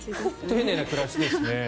丁寧な暮らしですね。